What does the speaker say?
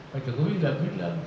pak jokowi tidak bilang